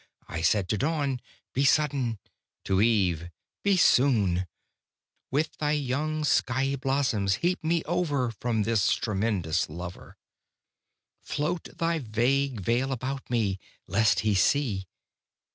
I said to dawn: Be sudden; to eve: Be soon With thy young skyey blossoms heap me over From this tremendous Lover! Float thy vague veil about me, lest He see!